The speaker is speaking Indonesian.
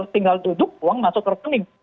tinggal duduk uang masuk rekening